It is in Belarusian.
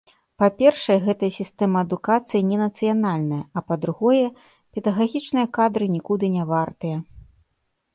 Па-першае, гэтая сістэма адукацыі ненацыянальная, а па-другое, педагагічныя кадры нікуды не вартыя.